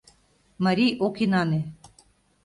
МАРИЙ ОК ИНАНЕ